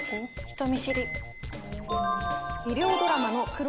人見知り。